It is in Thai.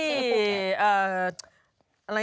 ลงเฮียว